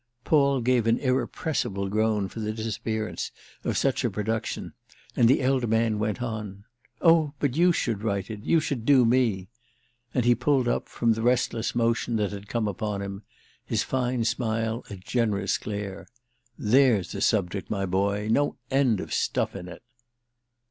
Paul gave an irrepressible groan for the disappearance of such a production, and the elder man went on: "Oh but you should write it—you should do me." And he pulled up—from the restless motion that had come upon him; his fine smile a generous glare. "There's a subject, my boy: no end of stuff in it!"